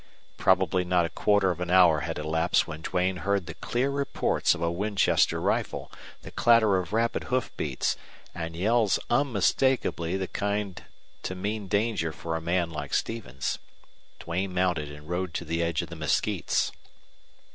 Probably not a quarter of an hour had elapsed when Duane heard the clear reports of a Winchester rifle, the clatter of rapid hoof beats, and yells unmistakably the kind to mean danger for a man like Stevens. Duane mounted and rode to the edge of the mesquites.